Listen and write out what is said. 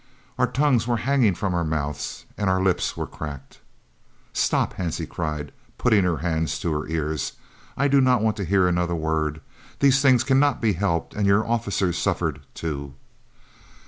Our tongues were hanging from our mouths and our lips were cracked " "Stop!" Hansie cried, putting her hands to her ears. "I do not want to hear another word. These things cannot be helped, and your officers suffered too!"